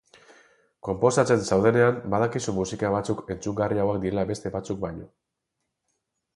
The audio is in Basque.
Konposatzen zaudenean badakizu musika batzuk entzungarriagoak direla beste batzuk baino.